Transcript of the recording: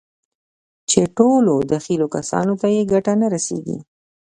چې ټولو دخيلو کسانو ته يې ګټه نه رسېږي.